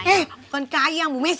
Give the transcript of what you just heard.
eh bukan kayang bu messi